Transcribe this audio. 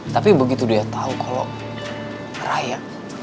tapi begitu dia tau kalo raya